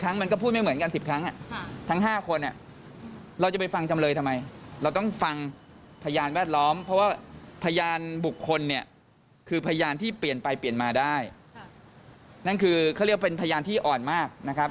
นั่นคือเขาเรียกเป็นพยานที่อ่อนมากนะครับ